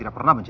ini bunga punya